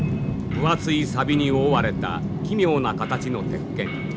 分厚い錆に覆われた奇妙な形の鉄剣。